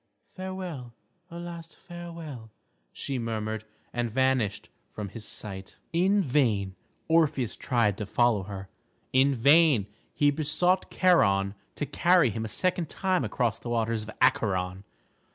"Farewell, a last farewell," she murmured, and vanished from his sight. In vain Orpheus tried to follow her, in vain he besought Charon to carry him a second time across the waters of Acheron.